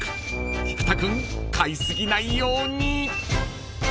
［菊田君買い過ぎないように］